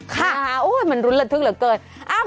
ค่ะอุ๊ยมันรุนเลิศทึกเหลือเกิน